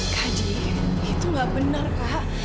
kak di itu tidak benar kak